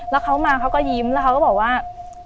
แล้วเขามาเขาก็ยิ้มแล้วเขาก็บอกว่า